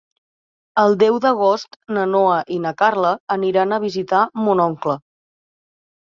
El deu d'agost na Noa i na Carla aniran a visitar mon oncle.